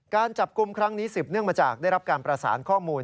การจับกลุ่มครั้งนี้สืบเนื่องมาจากได้รับการประสานข้อมูล